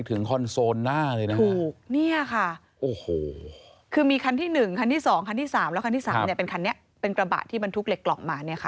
เป็นขันนี้เป็นกระบะที่มันทุกเหล็กกล่องมา